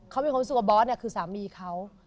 เขามีความรู้สึกว่าบอสเนี่ยคือสามีเขา